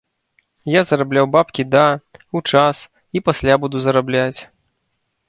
Я зарабляў бабкі да, у час і пасля буду зарабляць.